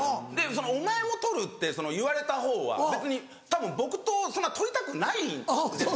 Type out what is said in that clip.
その「お前も撮る？」って言われたほうは別にたぶん僕とそんな撮りたくないんですよね。